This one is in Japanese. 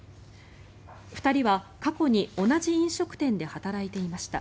２人は過去に同じ飲食店で働いていました。